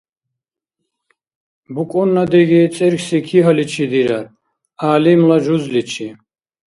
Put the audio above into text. БукӀунна диги цӀерхьси кигьаличи дирар, гӀялимла — жузличи.